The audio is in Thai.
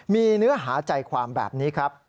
มีเนื้อหาใจความแบบนี้ครับ